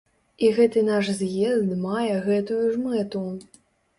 І гэты наш з'езд мае гэтую ж мэту.